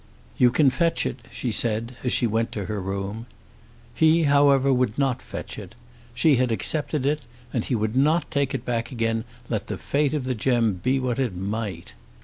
"You can fetch it," she said, as she went to her room. He however would not fetch it. She had accepted it, and he would not take it back again, let the fate of the gem be what it might.